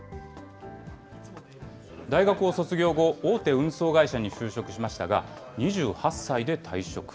大学を卒業後、大手運送会社に就職しましたが、２８歳で退職。